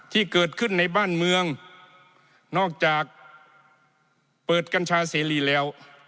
ที่เกิดขึ้นในบ้านเมืองนอกจากเปิดกัญชาเสรีแล้ว